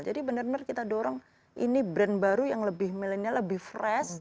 jadi benar benar kita dorong ini brand baru yang lebih millennial lebih fresh